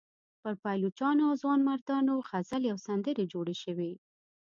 پر پایلوچانو او ځوانمردانو غزلې او سندرې جوړې شوې.